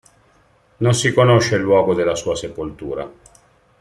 Non si conosce il luogo della sua sepoltura.